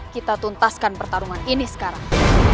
kita tuntaskan pertarungan ini sekarang